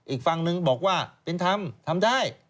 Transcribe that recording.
อีกฝั่งนึงบอกว่าเป็นธรรมทำได้